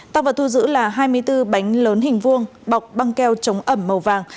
tăng vật thu giữ là hai mươi bốn bánh lớn hình vuông bọc băng keo chống ẩm màu vàng